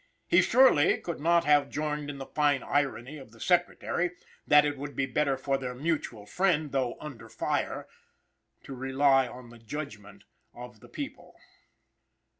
He surely could not have joined in the fine irony of the Secretary, that it would be better for their mutual friend, although "under fire," "to rely on the judgment of the people."